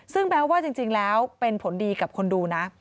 ซึ่งแม้ว่าจริงแล้วเป็นผลดีกับคนดูนะ